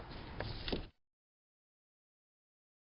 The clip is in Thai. ไปเยี่ยมผู้แทนพระองค์